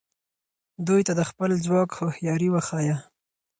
دوی ته د خپل ځواک هوښیاري وښایه.